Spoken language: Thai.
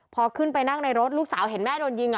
พอขึ้นไปนั่งในรถลูกสาวเห็นแม่โดนยิง